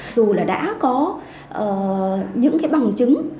dù đã có những bằng chứng